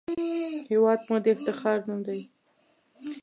هېواد مو د افتخار نوم دی